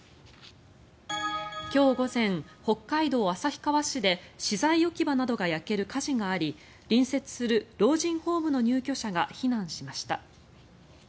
きょう午前北海道旭川市で資材置き場などが焼ける火事があり隣接する老人ホームの入居者が避難しました。